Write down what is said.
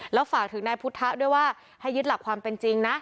แล้วฝากถึงนายพุทธะด้วยว่าให้ยึดหลักความเป็นจริงนะ